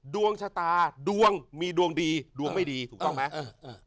ดวงชะตาดวงมีดวงดีดวงไม่ดีถูกต้องไหม